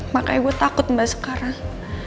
makanya gue takut mbak sekarang